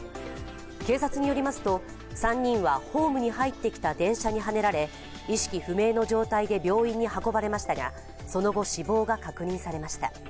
警察によりますと、３人はホームに入ってきた電車にはねられ意識不明の状態で病院に運ばれましたがその後、死亡が確認されました。